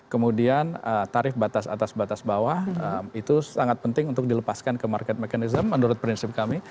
kemudian tarif batas atas batas bawah itu sangat penting untuk dilepaskan ke market mechanism menurut prinsip kami